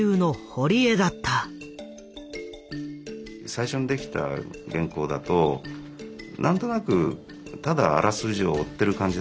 最初に出来た原稿だと何となくただあらすじを追ってる感じだった。